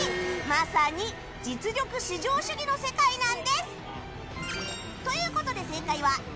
まさに実力至上主義の世界なんです。ということで、正解はＡ。